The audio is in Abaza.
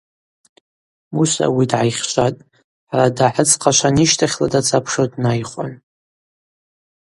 Муса ауи дгӏайхьшватӏ, хӏара дгӏахӏыдзхъашван йыщтахьла дацапшуа днайхуан.